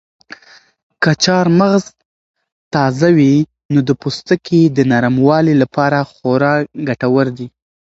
که چهارمغز تازه وي نو د پوستکي د نرموالي لپاره خورا ګټور دي.